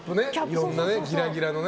いろんなギラギラのね。